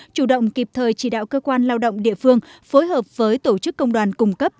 chủ động kịp thời chỉ đạo cơ quan lao động địa phương phối hợp với tổ chức công đoàn cung cấp